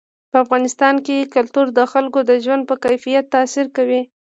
په افغانستان کې کلتور د خلکو د ژوند په کیفیت تاثیر کوي.